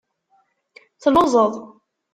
Telluẓeḍ.